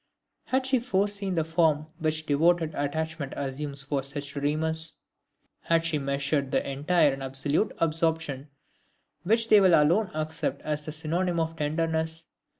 Had she foreseen the form which devoted attachment assumes for such dreamers; had she measured the entire and absolute absorption which they will alone accept as the synonyme of tenderness?